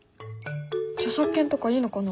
著作権とかいいのかな？